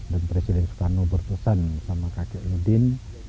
dan presiden soekarno bertesan sama kakek udin